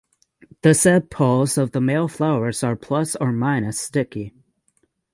The sepals of the male flowers are plus or minus sticky.